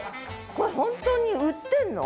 これ本当に売ってんの？